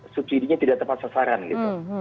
subsidi nya tidak tepat sasaran gitu